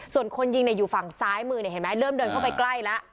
ส่วนคนยิงอยู่ฝั่งซ้ายมือเห็นไหมเริ่มเดินเข้าไปใกล้แล้ว